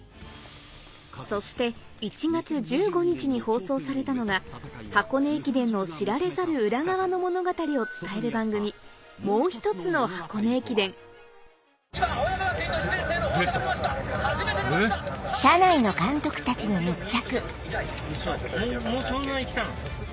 そして１月１５日に放送されたのが箱根駅伝の知られざる裏側の物語を伝える番組『もうひとつの箱根駅伝』今青山学院の１年生の太田が出ました。